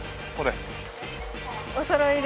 おそろいで。